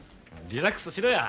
リラックスしろや。